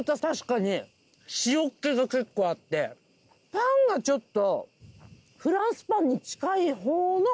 パンがちょっと。